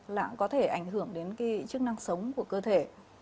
là cũng có thể ảnh hưởng đến cái chức năng sống của cơ thể